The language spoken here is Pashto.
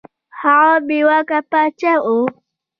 هغه بې واکه پاچا وو.